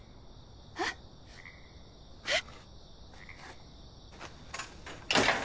えっえっ？